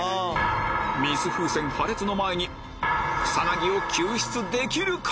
水風船破裂の前に草薙を救出できるか？